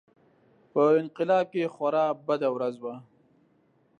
په انقلاب کې خورا بده ورځ وه.